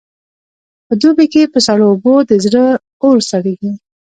په دوبې کې په سړو اوبو د زړه اور سړېږي.